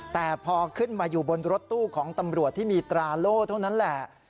แต่พอขึ้นมาอยู่บนรถตู้ของตำรวจที่มีตราโล่เท่านั้นแหละ